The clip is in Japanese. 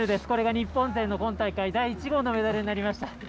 これが日本勢、今大会第１号のメダルになりました。